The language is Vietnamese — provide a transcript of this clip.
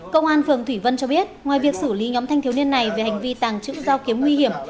công an phường thủy vân cho biết ngoài việc xử lý nhóm thanh thiếu niên này về hành vi tàng trữ dao kiếm nguy hiểm